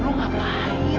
aduh lu ngapain